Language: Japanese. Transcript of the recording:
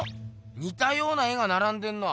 にたような絵がならんでんな。